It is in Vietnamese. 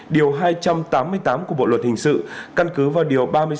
điều hai trăm tám mươi tám của bộ luật hình sự căn cứ vào điều ba mươi sáu